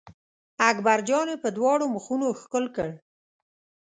اکبر جان یې په دواړو مخونو ښکل کړ.